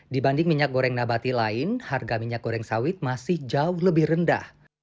dibanding minyak goreng nabati lain harga minyak goreng sawit masih jauh lebih rendah